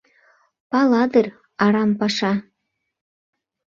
Пала дыр, арам паша!..